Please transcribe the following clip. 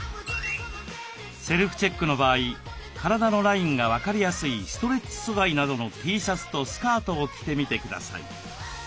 セルフチェックの場合体のラインが分かりやすいストレッチ素材などのＴシャツとスカートを着てみてください。